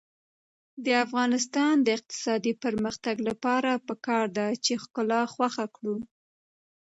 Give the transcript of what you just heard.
د افغانستان د اقتصادي پرمختګ لپاره پکار ده چې ښکلا خوښه کړو.